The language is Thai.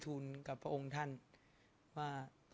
สงฆาตเจริญสงฆาตเจริญ